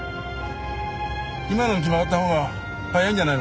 今の道曲がったほうが早いんじゃないのか？